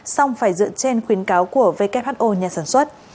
xong phải dựa trên khuyến cáo của who nhà sản xuất